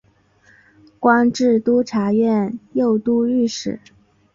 官至都察院右都御史。